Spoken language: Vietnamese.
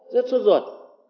rất suốt ruột